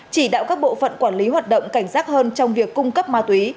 chỉ đạo các bộ phận quản lý hoạt động cảnh giác hơn trong việc cung cấp ma túy